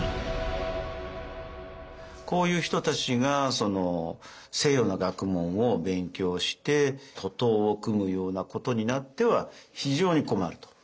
こういう人たちが西洋の学問を勉強して徒党を組むようなことになっては非常に困ると。